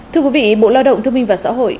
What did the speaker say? thưa quý vị bộ lao động thương minh và xã hội